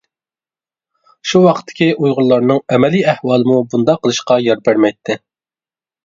شۇ ۋاقىتتىكى ئۇيغۇرلارنىڭ ئەمىلى ئەھۋالىمۇ بۇنداق قىلىشقا يار بەرمەيتتى.